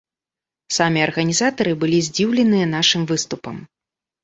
Самі арганізатары былі здзіўленыя нашым выступам.